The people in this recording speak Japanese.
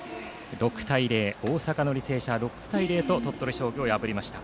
６対０、大阪の履正社が鳥取商業を破りました。